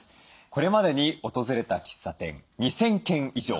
これまでに訪れた喫茶店２，０００軒以上。